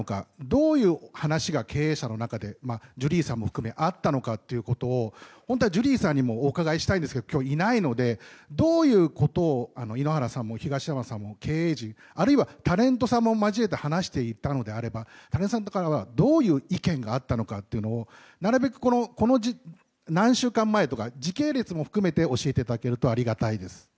どういう話が経営者の中でジュリーさんも含めてあったのかというのを本当はジュリーさんにもお伺いしたいですが、いないのでどういうことを井ノ原さんも東山さんも経営陣あるいはタレントさんも交えて話していたのであればタレントさんからはどういう意見があったのかというのをなるべく、何週間前とか時系列も含めて教えていただけるとありがたいです。